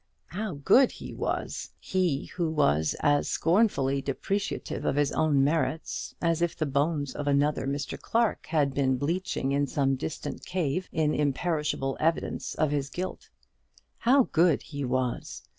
How good he was! he who was as scornfully depreciative of his own merits as if the bones of another Mr. Clarke had been bleaching in some distant cave in imperishable evidence of his guilt. How good he was!